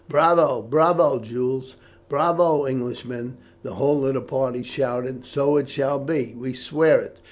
'" "Bravo, bravo, Jules! bravo, Englishman!" the whole of the party shouted. "So it shall be, we swear it.